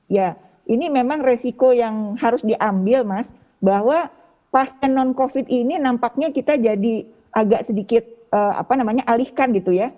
ya ini memang resiko yang harus diambil mas bahwa pasien non covid ini nampaknya kita jadi agak sedikit apa namanya alihkan gitu ya